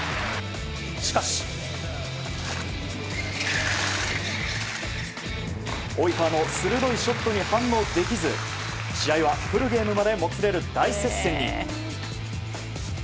しかし及川の鋭いショットに反応できず試合はフルゲームまでもつれる大接戦に。